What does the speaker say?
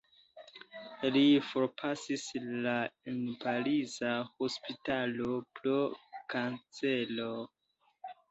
Li forpasis la en pariza hospitalo pro kancero.